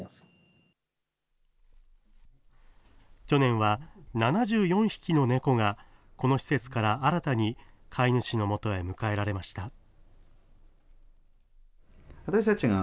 去年は７４匹の猫が、この施設から新たに飼い主のもとへ迎えられました。